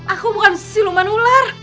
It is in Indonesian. aku bukan siluman ular